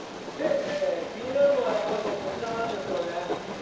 気になるのは、やっぱりこちらなんですね。